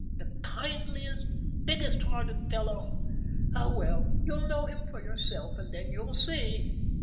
The kindliest, biggest hearted fellow oh, well, you'll know him for yourself, and then you'll see.